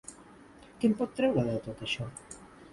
Què en pot treure, de tot això?